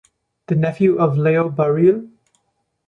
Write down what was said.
The nephew of Leo Barrile.